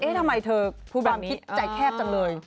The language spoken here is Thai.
เอ๊ะทำไมเธอพูดแบบนี้ความคิดใจแคบจังเลย